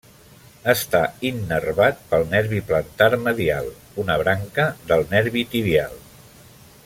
Està innervat pel nervi plantar medial, una branca del nervi tibial.